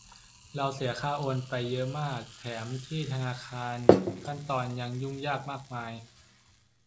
เราเสียค่าโอนไปเยอะมาก แถมทำที่ธนาคารขั้นตอนยุ่งยากมากมาย